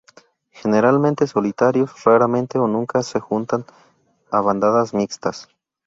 Generalmente solitarios, raramente o nunca se juntan a bandadas mixtas.